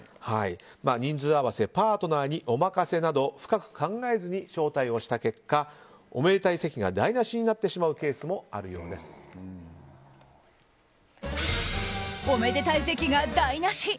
人数合わせパートナーにお任せなど深く考えずに招待した結果おめでたい席が台無しになってしまうケースもおめでたい席が台無し。